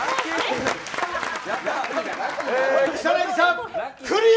草なぎさんクリア。